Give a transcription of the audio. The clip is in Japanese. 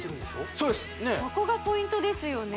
そうですそこがポイントですよね